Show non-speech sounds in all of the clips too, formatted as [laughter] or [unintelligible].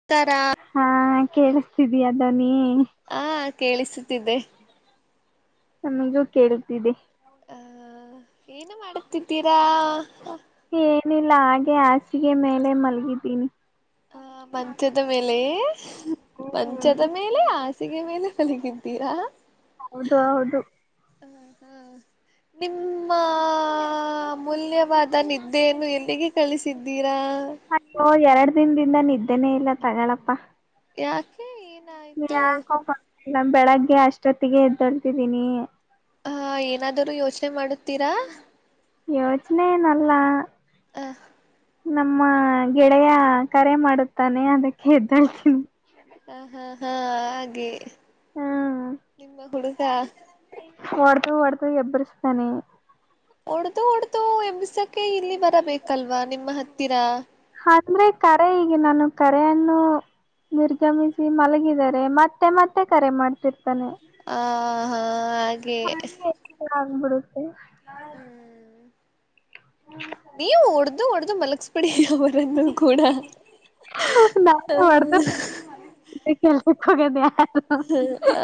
ಉತ್ತರ ಕೇಳಿಸತಿದಿಯಾ ದನಿ ಹ ಕೇಳಿಸುತಿದೇ ನಮಗೂ ಕೇಳುತ್ತಿದೆ ಹಾ ಏನು ಮಾಡುತ್ತಿದ್ದೀರಾ ಏನಿಲ್ಲ ಹಾಗೆ ಹಾಸಿಗೆ ಮೇಲೆ ಮಲಗಿದ್ದೀನಿ ಹ ಮಂಚದ ಮೇಲೆ ಹ್ಮ್ ಮಂಚದ ಮೇಲೆ ಆಸೆ ಹಾಸಿಗೆ ಮೇಲೆ ಮಲಗಿದ್ದೀರಾ ಹೌದು ಹೌದು ಹ ಹಾ ನಿಮ್ಮ ಅಮೂಲ್ಯವಾದ ನಿದ್ದೆಯನ್ನು ಎಲ್ಲಿಗೆ ಕಳಿಸಿದ್ದೀರಾ ಇಂದ ನಿದ್ದೇನೆ ಇಲ್ಲ ತಗಳಪ್ಪಾ ಯಾಕೆ ಎನ್ ಯಾಕೋ ಬರ್ತಿಲ್ಲ ಬೆಳಗ್ ಅಷ್ಟೊತ್ತಿಗೆ ಎದ್ದೊಳ್ತಿದೀನಿ ಹ ಏನಾದರು ಯೋಚನೆ ಮಾಡುತ್ತೀರಾ ಯೋಚನೆ ಏನ್ ಅಲ್ಲಾ ಹ ನಮ್ಮ ಗೆಳೆಯ ಕರೆ ಮಾಡುತ್ತಾನೆ ಅದಕ್ಕೆ ಎದ್ದಳ್ತೀನಿ ಹಾ ಹಾ ಹಾ ಹಾಗೆ ಹ್ಮ್ ನಿಮ್ಮ ಹುಡುಗ ಹೊಡದು ಹೊಡದು ಎಬ್ಬಿರಸ್ತಾನೆ ಒಡ್ದು ಒಡ್ದು ಎಬ್ಬಿಸಕ್ಕ ಇಲ್ಲಿ ಬ ಹ ಬೇಕಲ್ವಾ ನಿಮ್ಮ ಹತ್ ತೀರಾ ಅಂದ್ರೆ ಕರೆ ಇಗ ನಾನು ಕರೆಯನ್ನು ನಿರ್ಗಮಿಸಿ ಮಲಗಿದರೆ ಮತ್ತೆ ಮತ್ತೆ ಕರೆ ಮಾಡ್ತಿರ್ತಾನೆ. ಆ ಹಾ ಹಾಗೆ ಆಗ್ಬಿಡುತ್ತೆ ನೀವು ವಡ್ದು ವಡ್ದು ಮಲಗಸ್ಬಿಡಿ ಅವರನ್ನು ಕೂಡಾ. ನ ಮಾಡತಲ್ ಸಕ್ಕೋಗಲ್ ಸ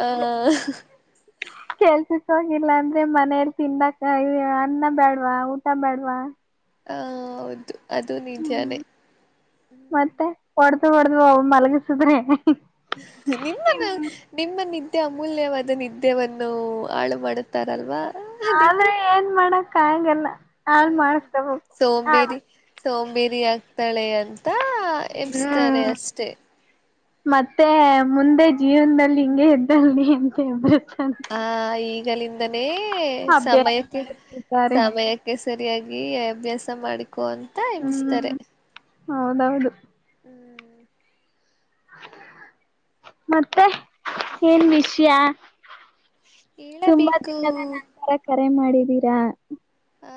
ಆ ಕಗಿಲ್ಲಾ ಅಂದ್ರೆ ಮನೇಲ್ ತಿನ್ನಕ್ಕ ಐ ಯಾ ಅನ್ನ ಬೇಡವಾ ಊ ಟಾ ಬೇಡ್ವಾ. ಹೌದು ಅದು ಹ್ಮ್ ನಿಜಾನೇ ಮತ್ತೆ ಹೊಡದು ಹೊಡ್ದ ಅವ ಮಲಗಿಸಿದ್ರೆ. ನಿಮ್ಮನ್ನು ನಿಮ್ಮ ನಿ ಅತ್ಯ ಅಮೂಲ್ಯವಾದ ನಿದ್ದೆವನ್ನು ಹಾಳು ಮಾಡುತ್ತಾರಲ್ವಾ. ಅದಕ್ಕೆ ಆದ್ರೆ ಏನ್ ಮಾಡ ಕಾಗಲ್ಲಾ. ನಾನ್ ಮಾಡಸ್ಕೊ ಬೇಕ್ ಹಾ ಸೋಂಬೇರಿ ಸೋಂಬೇರಿ ಆಗ್ತಾಳೆ ಅನ್ ತಾ ಎಬ್ಸ್ತಾರೆ ಹ್ಮ್ ಅಷ್ಟೆ. ಮತ್ತೆ ಮುಂದೆ ಜೀವನದಲ್ಲಿ ಹಿಂಗೆ ಇದ್ದಾನೆ ಅನ್ಕೋಬೇಕ. ಆ ಈ ಜಲಿನ್ ದನೇ ಸಮಯಕ್ಕೆ ಅಭ್ಯಾಸಿದ್ದಾರೆ ಸಮಯಕ್ಕೆ ಸ್ ಸರಿಯಾಗಿ ಅಭ್ಯಾಸ ಮಾಡಿ ಕು ಅಂತ ಹ್ಮ್ ಎಮಿಸ್ತಾರೆ. ಹೌದೌದು ಮತ್ತೆ ಏನ್ ವಿಷ್ಯ ತುಂಬಾ ಹೇಳಬೇಕು ದಿನದ ನಂತರ ಕರೆ ಮಾಡಿ ದಿರಾ ಆ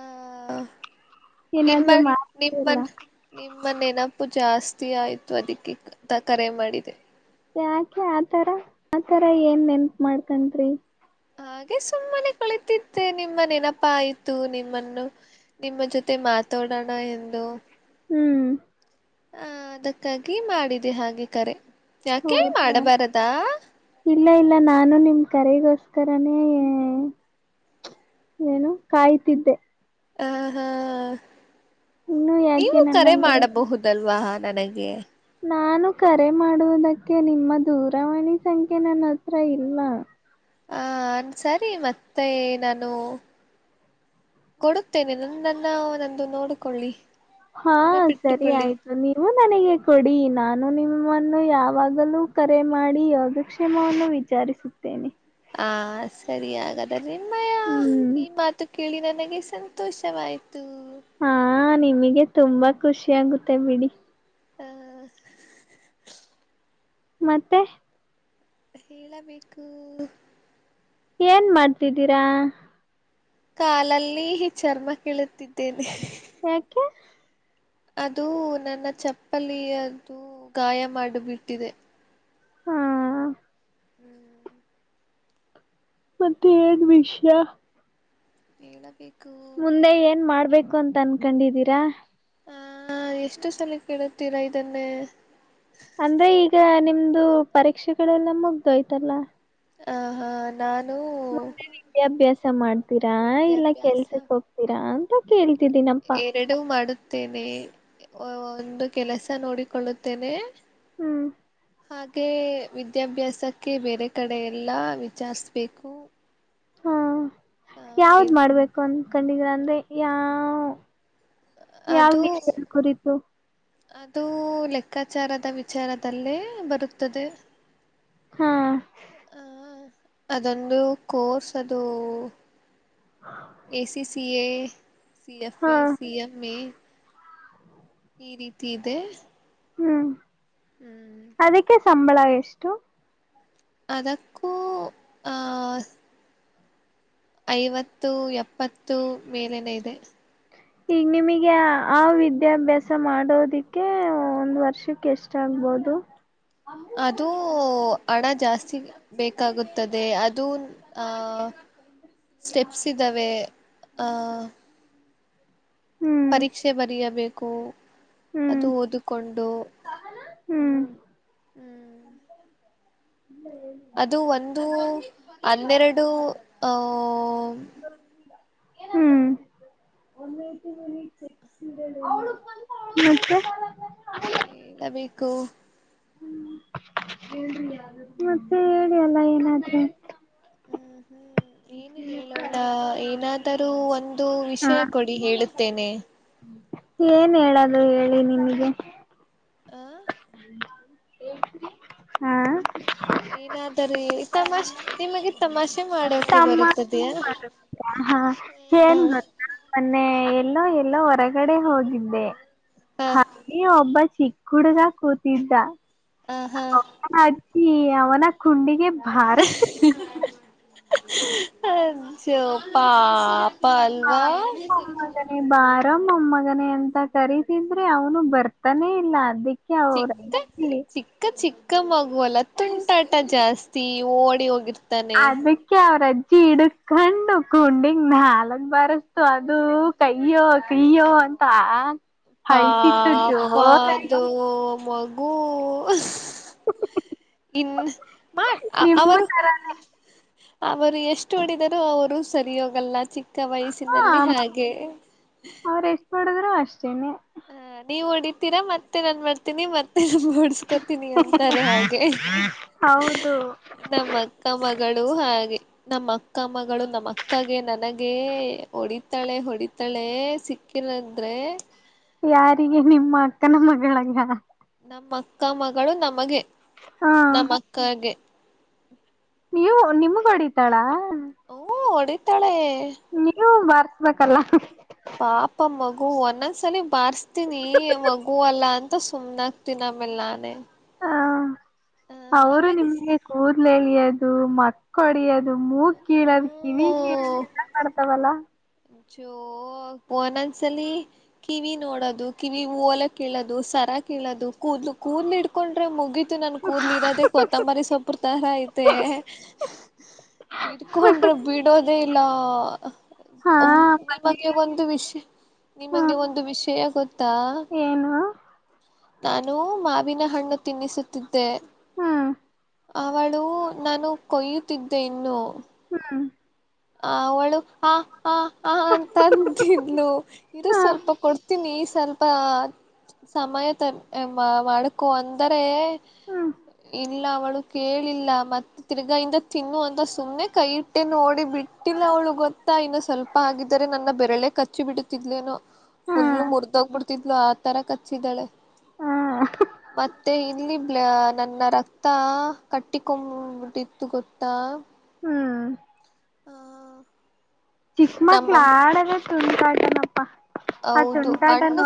ನಿಮ್ಮ ಏನಾದ್ರು ಮಾಡ್ತಿಲ್ಲ ನಿಮ್ಮನ್ ನಿಮ್ಮ ನೆನಪು ಜಾಸ್ತಿ. ಆಯ್ತು ಅದಕ್ಕೆ ಕರೆ ಮಾಡಿದೆ ಯಾಕೆ ಆತರ ಆತರ ಏನ್ ನೆನ್ಪ ಮಾಡ್ಕನ್ರೀ. ಹಾಗೆ ಸುಮ್ಮನೆ ಕುಳತಿದ್ದೆ ನಿಮ್ಮ್ ನೆನಪಾ ಆಯ್ತು ನಿಮ್ಮನ್ನು ನಿಮ್ಮ ಜೊತೆ ಮಾತಾಡೋಣ ಎಂದು ಹ್ಮ್ ಹ ಅದಕ್ಕಾಗಿ ಮಾಡಿದೆ ಹಾಗೆ ಕರೆ ಯಾಕೆ ಹೌದಾ ಮಾಡಬಾರದಾ ಇಲ್ಲ ಇಲ್ಲ ನ ನಾನು ನಿಮ್ ಕರೆಗೋಸ್ಕರನೇ ಏನು ಕಾಯ್ತಿದ್ದೆ. ಹ ಹಾ ಇನ್ನು ಯಾಕೆ ನೀವು ಕರೆ ನನಗೆ ಮಾಡಬಹುದಲ್ವಾ. ನಡೆಗೆ ನಾನು ಕರೆ ಮಾಡುವುದಕ್ಕೆ ನಿಮ್ಮ ದೂರವಾಣಿ ಸಂಖ್ಯೆ ನನ್ನ ಹತ್ರ ಇಲ್ಲ. ಆನ್ ಸರಿ ಮತ್ತೆ ನಾನು. ಕೊಡುತ್ತೇನೆ ನಂದನ್ನ ನಂದು ನೋಡ್ಕೊಳ್ಳಿ. ಹಾ ಸರಿ ಆಯ್ತು ನೀವು ನನಗೆ ಕೊಡಿ ನಾ ನಾನು ನಿಮ್ಮನ್ನು ಯಾವಾಗಲೂ ಕರೆ ಮಾಡಿ ಯೋಗಕ್ಷೇಮವನ್ನು ವಿಚಾರಿಸುತ್ತೇನೆ. ಹಾ ಸರಿ ಹಾಗದ ಮ್ಮಯ ಹ್ಮ್ ಈ ಮಾತು ಕೇಳಿ ನನ ಸಂತೋಷವಾಯ್ತು ತು ಹಾ ನಿಮಗೆ ತುಂಬಾ ಖುಷಿ ಆಗುತ್ತೆ ಬಿಡಿ. ಹಾ [inaudible] ಮತ್ತೆ ಹೇಳಬೇಕು. ಏನ್ ಮಾಡ್ತಿದ್ದೀರಾ. ಕಾಲಲ್ಲಿ ಚರ್ಮ ಕೀಳುತ್ತಿದ್ದೇನೆ. ಯಾಕೆ ಅದು ನನ್ನ ಚಪ್ಪಲಿಯದು ಗಾಯ ಮಾಡುಬಿಟ್ಟಿದೆ. ಹಾ [inaudible] ಮತ್ತ್ ಏನ್ ವಿಷಯ. ಹೇಳಬೇಕು. ಮುಂದೆ ಏನ್ ಮಾಡ್ಬೇಕು ಅಂತ ಅನ್ಕೊಂಡಿದೀರಾ. ಹ ಎಷ್ಟು ಸಲಿ ಕೇಳುತ್ತೀರಾ ಇದನ್ನೇ. ಅದು ಪರೀಕ್ಷೆಗಳೆಲ್ಲ ಮುಗ್ದ ಹೋಯಿತಲ್ಲ. ಆ ಹಾ ನಾನು ಮತ್ತೆ ವಿದ್ಯಾಭ್ಯಾಸ ಮಾಡ್ತೀರಾ ಇಲ್ಲ ವಿದ್ಯಾಭ್ಯಾಸ ಕೆಲ್ಸಕ್ ಹೋಗ್ತೀರಾ ಅಂತ ಕೇಳಿದಿದ್ದೀನಪ್ಪಾ. ತೆವೆ ಒ ಒಂದು ಕೆಲಸ ನೋಡಿಕೊಳ್ಳುತ್ತೇನೆ. ಹ್ಮ್ ಹಾಗೆ ವಿದ್ಯಾಭ್ಯಾಸಕ್ಕೆ ಬೇರೆ ಕಡೆ ಎಲ್ಲಾ ವಿಚಾರಿಸಬೇಕು. ಹಾ ಯಾವ್ದ್ ಮಾಡ್ಬೇಕ ಅನ್ ಅನ್ಕೊಂಡಿದೀರಾ ಅಂದ್ರೆ ಯಾವ್ ಯಾವುದು ಅದು ನೆಕ್ಸ್ಟ್ ಅನ್ಕೊಂಡಿದ್ದು ಅದು ಲೆಕ್ಕಾಚಾರದ ವಿಚಾರದಲ್ಲೇ ಬರುತ್ತದೆ. ಹಾ ಅ ಅದೊಂದು ಕೋರ್ಸ್ ಅದು A C C A C F ಹಾ ಎ ಸಿ ಎಂ ಇ ಈ ರೀತಿ ಇದೆ ಹ್ಮ್ ಹ್ಮ್ ಅದೀಕ್ಕೆ ಸಂಬಳಾ ಎಷ್ಟು? ಅದಕ್ಕೂ ಆ ಐವತ್ತು ಎಪ್ಪತ್ತು ಮೇಲನೆ ಇದೆ. ಈಗ ನಿಮಗೆ ಆ ವಿದ್ಯಾಭ್ಯಾಸ ಮಾಡೋದಿಕ್ಕೆ ಒಂದ್ ವರ್ಷಕ್ಕೆ ಎಷ್ಟ ಆಗ್ಬೋದು. ಅದು ಹಣ ಜಾಸ್ತಿ ಬೇಕಾಗುತ್ತದೆ ಅದು ಆಹ ಸ್ಟೆಪ್ಸ್ ಇದ್ದಾವೆ ಆಹ್ ಹ್ಮ್ ಪರೀಕ್ಷೆ ಬರಿಯಬೇ ಕು ಹ್ಮ್ ಸಹನಾ ಹ್ಮ್ ಹ್ಮ್ ಅದು ಒಂದು ಹನ್ನೆರಡು ಅ ಹೂ ಮತ್ತೆ ಎ ಇಲ್ಲಾವಿ ಕು ಮತ್ತೆ ಹೇಳಿ ಅಲ್ಲಾ ಏನಾದ್ರು ಹ್ಮ್ ಹ್ಮ್ ಏನು ಹೇಳೋಣ ಏನಾದ್ ತರವನ್ ತು ಹಾ ವಿಷಯ ಕೊಡಿ ಹೇಳುತ್ತೇನೆ. ಏನ್ ಹೇಳದು ಹೇಳಿ ನಿಮಗೆ. ಆ ಹಾ ಏನಾದರು ಈತಮ್ಮಷ್ ನಿಮಗ ತಮ್ಮ ಹಾ ಏನ್ ಗೋತ್ತಾ. ಮೆ ಎಲ್ಲೊ ಎಲ್ಲೋ ಹೊರಗಡೆ ಹೋಗಿದ್ದೆ. ಹ ಈ ಒಬ್ಬ.. ಚಿಕ್ಕುಡುಗ ಕೂತಿದ್ದ. ಹ ಹ ಹೌ ಅಜ್ಜಿ. ಯ. ಇವನ ಕುಂಡಿಗೆ.. ಬಾರಿಸಿ [unintelligible] ಪಾಪ ಹ ಅಲ್ವಾ ಬಾರ್ ನಮ್ಮೊಮ್ಮಗನೆ ಅಂತ ಕರೀತಿದ್ರೆ ಅವನು ಬರ್ತಾನೆ ಇಲ್ಲ ಅದಿಕ್ಕೆ. ಚಿಕ್ಕ ಚಿಕ್ಕ ಚಿಕ್ಕ್. ಕ್ಕಮಗುವಲ್ಲ ತುಂಟಾಟ ಜಾಸ್ತಿ ಓಡಿ ಹೋಗಿರ್. ಅದಿಕ್ಕೆ ಅವರಜ್ಜ್ ಕಿಡಕ್ ಕಂಡು ಕುಂಡಿಗ್ ನಾಲ್ಕ್ ಬಾರಸ್ತು ಅದು ಕಯ್ಯೋ ಕಯ್ಯೋ ಅಂತ.. ಅಳ್ತಿತ್ತು ಜೋರಾಗಿ ಪಾಪ್ಪದು ಮಗು.. ಇನ್ನು ಮಾ ನಿಮ್ಮ ಅವರು ತರಾನೇ ಅವರು ಎಷ್ಟು ಹೊಡಿದರು ಅವರು ಸರಿ ಹೋಗಲ್ಲ ಚಿಕ್ಕ್. ಚಿಕ್ಕ ಹಾ ವಯಸ್ಸಿನಲ್ಲಿ ಹಾಗೆ. ಅಷ್ಟೇನಿ. ನೀವು ಹೊಡಿತೀರ ಮತ್ತೆ ನನ್ ಮಾಡ್ತೀನಿ ಮತ್ತ್. ಹೊಡ್ಸ್ಕೋತೀನಿ ಅಂತಾರೆ ಹಾಗೆ ಹೌದು ನಮ್ಮ ಅಕ್ಕ ಮಗಳು ಹಾಗೆ. ನಮ್ಮ ಅಕ್ಕ ಮಗಳು ನಮ್ಮ ಅಕ್ಕಗೆ ನನಗ ಹೊಡಿತಾಳೆ ಹೊಡಿತಾಳೆ ಸಿಕ್ಕಿಲದ್ರೆ. ಯಾರಿಗೆ ನಿಮ್ಮ ಅಕ್ಕನ ಮಗಳಂಗ. ನಮ್ಮ ಅಕ್ಕ ಮಗಳು ನಮಗೆ. ಹಾ ನಮ್ಮಕ್ಕಗೆ. [inaudible] ನೀವು ನಿಮಗೊಡಿತಾಳಾ? ಹೂಂ ಹೊಡಿತಾಳೆ. ನೀವು ಬರ್ ಬೇಕಲ್ಲ. ಪಾಪ ಮಗು ಒಂದೊಂದ್ಸಲಿ ಬಾರ್ಸ್ತೀನಿ ಮಗು ಅಲ್ಲ ಅಂತ ಸುಮ್ನಾಗ್ತೀನಿ ಆಮೇಲ್ ನಾನೇ. ಹ ಅವ್ರು ಅವಳಿಗೆ ನಿಮ್ಗೆ ಕೂ ದ್ಲೆಳಿಯೋದು ಮಕ್ಕ್ ಹೊಡಿಯೋದು ಮೂಗಾ ಕೀಳದ ಕಿವಿ ಕಿ ಹೂ ತ್ತವಲ್ಲ ಜೋ ಒಂದೊಂದ್ಸಲಿ ಕಿವಿ ನೋಡದು ಕಿವಿ ಓಲೆ ಕೀಳದು ಸರ ಕೀಳೋದು ಕೂದ್ಲು ಕೂದ್ಲಿಡ್ಕೊಂಡ್ರೆ ಮುಗೀತು ನನ್ ಕೂದ್ಲು ಇರೋದೆೇ ಕೊತ್ತಂಬರಿ ಸೊಪ್ರ ತರ ಐತೆ ಇಡ್ಕೊಂಡ್ರೆ ಬಿಡೋದೇ ಇಲ್ಲ. ಹಾ ಮತ್ತೆ ನಿಮಗೆ ಒಂದು ವಿಷ ಹ್ಮ ನಿಮಗೆ ಒಂದು ವಿಷಯ ಗೊತ್ತಾ? ಏನು ನಾನು ಮಾವಿನ ಹಣ್ಣು ತಿನ್ನಿಸುತ್ತಿದ್ದ್ ದ್ದೆ ಹ್ಮ್ ಅವಳು ನಾನು ಕೊಯ್ಯುತ್ತಿದ್ದೆ ಇನ್ನು ಹ ಆ ಅವಳು ಆ ಹ ಹ ಆಂತಾಂತಿದ್ಲು ಇರು ಹ್ಮ್ ಸ್ವಲ್ಪ ಕೊಡ್ತೀನಿ ಸ್ವಲ್ಪ ಸಮಯ ತ ಮಾ ಮಾಡ್ಕೊ ಅಂದರೆ ಹ್ಮ್ ಇಲ್ಲ ಅವಳು ಕೇಳಿಲ್ಲ ಮತ್ತ ತಿರ್ಗಾ ಇಂದ ತಿನ್ನು ಅಂತ ಸುಮ್ನೆ ಕೈ ಟಿ ನೋಡಿ ಬಿಟ್ಟೆ. ಇಲ್ಲ ಅವಳು ಗೊತ್ತಾ ಇನ್ನು ಸ್ವಲ್ಪ ಆಗಿದರೆ ನನ್ನ ಬೆರಳೆ ಕ ಕಚ್ಚಿ ಬಿಡ್ತ್ತಿದ್ದಳೇನೋ. ಫುಲ್ ಹ್ಮ್ ಮುರ್ದೋಗ್ಬಿಡ್ತಿದ್ಲು ಆ ತರ ಕಚ್ಚಿದ್ದಾಳೆ. ಹ್ಮ್ ಮತ್ತೆ ಇಲ್ಲಿ ಬ್ಲ ನನ್ನ ರಕ್ತ ಕಟ್ಟಿಕೊಂಬಿಟ್ಟಿತ್ತು ಗೊತ್ತಾ. ಹ್ಮ್ ಹ ಚಿಕ್ಕ್ಮಕ್ಕಳಾಡದೆ ತುಂಟಾಟ ನ ಪ್ಪಾ. ಹೌದು ಹಣ್ಣು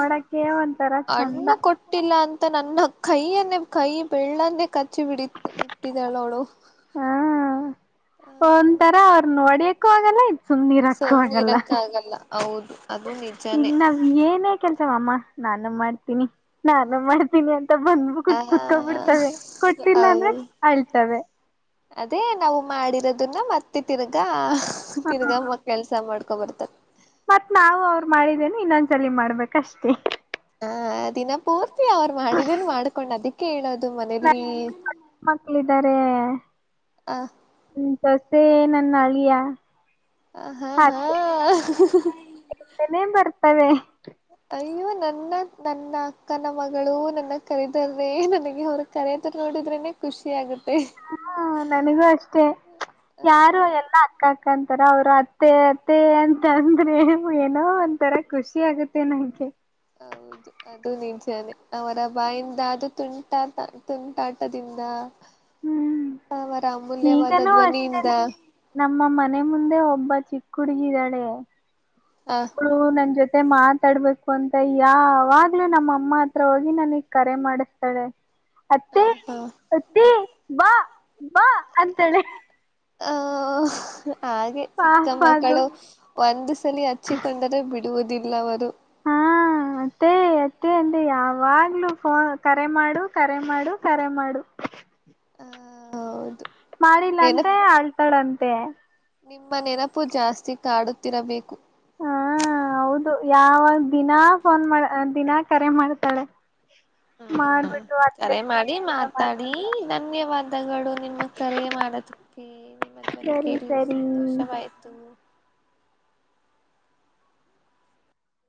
ಒಂಥರ ಚಂದ ಹಣ್ಣು ಕೊಟ್ಟಿಲ್ಲ ಅಂತ ನನ್ನ ಕೈಯನ್ನೇ ಕೈ ಬೆರಳನ್ನೇ ಕ ಕಚ್ಚಿ ಬಿಡಿತ ಬಿಟ್ಟಿದ್ದಾಳೆ ಅವಳು. ಒಂತರ ಅವ್ರನ್ನೊಡಕ್ ಕ್ಕೂಗಾಲ್ಲ್ ಸುಮ್ನಿರಕಾಗಲ್ಲ ಹೌದು ಅದು ನಿಜಾನೇ ತ್ ಮ್ಮ ನಾನು ಮಾಡ್ ನಿ ನಾನು ಮಾಡ್ತೀನಿ ಅಂತ ಆ ಬಂದ್ಬುಕುಟ್ಟ್ ಕುೂತ್ಕೊ ಬಿಡ್ತವೆ. ಕೊಟ್ಟಿಲ್ಲ ಅಂದ್ರ ಹೌದು ಅಳ್ತವೆ. ಅದೇ ನಾವು ಮಾಡಿರದನ್ನ ಮತ್ತೆ ತಿರ್ಗ. ಹ ತಿರ್ಗಮ್ಮ ಕೆಲ್ಸ ಮಾಡ್. ಕವತ್ರ್ ಮತ್ ನಾವು ಅವ್ರು ಮಾಡಿದ್ನೆ ಇನ್ನೊ ಸಲಿ ಮಾಡ್ಬೇಕಷ್ಟೇ. ಹಾ ದಿನ ಪೂರ್ತಿ ಅವ್ರು ಮಾಡಿದೇನ್ ಮಾಡ್ಕೊಂಡ್ ಅದಕ್ಕೆ ಹೇಳೋದು ಮನೇಲಿ. ದೇ [unintelligible] [inaudible] ಸೊಸೆ ನನ್ನಳಿಯಾ ಆ ಹಾ ಹಾ [unintelligible] ತವೆ. ಅಯ್ಯೋ ನನ್ನ ನನ್ನ ಅಕ್ಕನ ಮಗಳು ನನ್ನ ಕರದರೇ ನನಗೆ ಅವರು ಕರೆದ್ರು ನೋಡಿದ್ರೇನೆ ಖುಷಿ ಆಗುತ್ತೆ. ಹ್ಮ ನನಗೂ ಅಷ್ಟೆ ಯಾರು ಎಲ್ಲಾ ಅಕ್ಕ್ ಕ್ ಕಂತರ ಅವ್ರ ಅತ್ತೆ ಅತ್ತೆ ಅಂತಂದ್ರೆ ಏನೋ ಒಂತರ ಖುಷಿ ಆಗುತ್ತ್ [inaudible] ಹೌದು ಅದ್ ದು ನಿಜಾನೆ ಅವರ ಬಾಯಿಂದ ಅದು ತುಂಟಾತ ತುಂಟಾಟದಿಂದ ಹ್ಮ್ ಅವರ ಅಮೂಲ್ಯವಾದ ಈಗನೂ ಧ್ವನಿಯಿಂದ ಅಷ್ಟೇನೆ ನಮ್ಮ ಮನೆ ಮುಂದೆ ಒಬ್ಬ್ ಚಿಕ್ಕ್ ಹಡ್ಗಿದಾಳೆ. ಹ ಳ್ ನನ್ ಜೊತ್ ತ್ತ್ ಮಾತಾಡ್ಬೇಕು ಅಂತ ಯಾವಾಗ್ಲೂ ನಮ್ಮಮ್ಮ ಹತ್ರ ಹೋಗಿ ನನಗ್ ಕರೆ ಮಾಡಿಸ್ತಾಳೆ. ಹ ಅತ್ತೆ ಹ ಅತ್ತಿ ಬಾ ಬಾ ಅಂತಳೆ ಆ ಹಾಗೆ ಚಿಕ್ಕ ಪಾಪ ಅದು ಮಕ್ಕಳು. ಒಂದುಸ್ [unintelligible] ಹಚ್ಚಿಕೊಂಡರೆ ಬಿ ಬಿಡುವುದಿಲ್ಲವದು. ಹಾ ಮತ್ತೇ ಅತ್ತೆ ಅಂದೆ ಯಾವಾಗ್ಲು ಫೋ ಕರೆ ಮಾಡು ಕರೆ ಮಾಡು ಕರೆ ಮಾಡು. ಹ ಹೌದು. ಮಾಡಿಲ್ಲಂತೆ ನೆನಪ ಆಳ್ತಾಳಂತೆ. ನಿಮ್ಮ ನೆನಪು ಜಾಸ್ತಿ ಕಾಡುತ್ತಿರಬೇಕು. ಹಾ ಹೌದು ಯಾವಾಗ ದಿನಾ ಫೋನ್ ಮಾಡ ದಿನಾ ಕರೆ ಮಾಡ್ತಾಳೆ. ಹಾ ಮಾಡ್ಬಿಟ್ಟು ಅತ್ತೆ ಕರೆ ಅತ್ತೆ ಮಾಡಿ ಅಂತ ಮಾತಾಡಿ ಮಾತಾಡ್ತಾಳೆ ಧನ್ಯವಾದಗಳು ನಿಮ್ಮ ಕರೆ ಮಾಡೋದಿಕ್ಕೆ ನಿಮ್ಮ ಧ್ವನಿ ಸರಿ ಕೇಳಿ ಸರಿ ಸಂತೋಷವಾಯ್ತು.